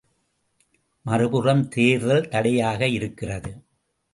மறுபுறம் தேர்தல் தடையாக இருக்கிறது.